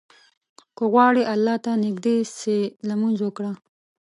که غواړې الله ته نيږدى سې، لمونځ وکړه.